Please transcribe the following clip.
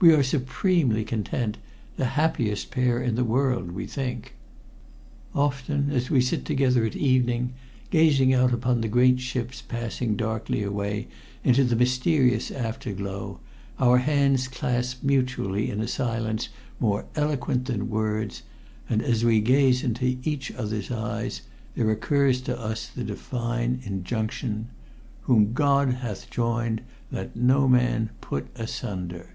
We are supremely content the happiest pair in all the world, we think. Often as we sit together at evening, gazing out upon the great ships passing darkly away into the mysterious afterglow, our hands clasp mutually in a silence more eloquent than words, and as we gaze into each other's eyes there occurs to us the Divine injunction: "WHOM GOD HATH JOINED, LET NO MAN PUT ASUNDER."